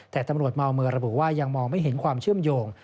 แต่ตำรวจเมาเมอร์ระบุว่ายังมองไม่เห็นความเชื่อมโยง